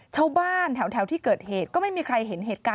ชาวบ้านแถวที่เกิดเหตุก็ไม่มีใครเห็นเหตุการณ์